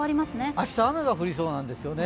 明日、雨が降りそうなんですよね